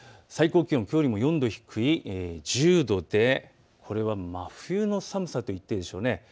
最高気温、きょうよりも４度低い１０度でこれは真冬の寒さと言っていいでしょう。